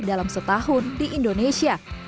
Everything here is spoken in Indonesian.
dalam setahun di indonesia